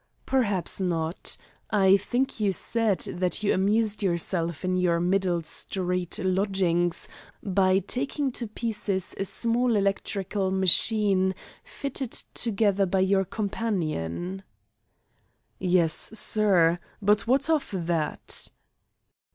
"Perhaps not. I think you said that you amused yourself in your Middle Street lodgings by taking to pieces a small electrical machine fitted together by your companion?" "Yes, sir; but what of that?"